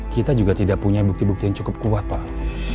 kita juga tidak punya bukti bukti yang cukup kuat pak